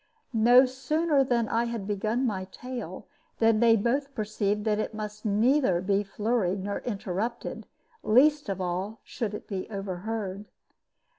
No sooner had I begun my tale than they both perceived that it must neither be flurried nor interrupted, least of all should it be overheard.